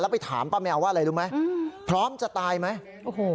ไปถามป้าแมวว่าอะไรรู้ไหมพร้อมจะตายไหมโอ้โห